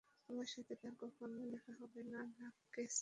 তোমার সাথে আর কখনও দেখা হবে না, নার্ক কেন্ট।